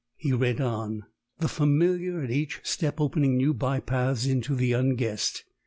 He read on, the familiar at each step opening new bypaths into the unguessed.